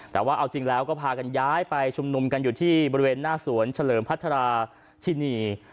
แต่ว่าเอาจริงแล้วก็พากันย้ายไปชุมนุมกันอยู่ที่บริเวณหน้าสวนเฉลิมพัทราชินี